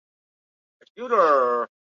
石宝茶藤